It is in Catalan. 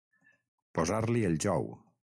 Posar-li el jou.